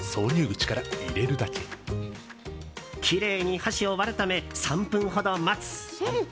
きれいに箸を割るため３分ほど待つ。